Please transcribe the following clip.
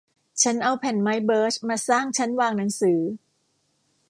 ฉันเอาแผ่นไม้เบิร์ซมาสร้างชั้นวางหนังสือ